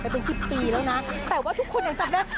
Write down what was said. เป็นสิบปีแล้วนะแต่ว่าทุกคนยังจำได้